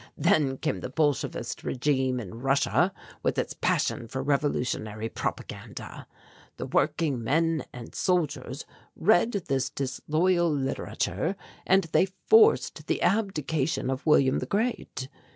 Then came the Bolshevist regime in Russia with its passion for revolutionary propaganda. The working men and soldiers read this disloyal literature and they forced the abdication of William the Great.